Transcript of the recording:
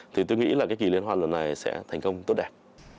thì tôi nghĩ là cái kỳ liên hoàn lần này sẽ thành công tốt đẹp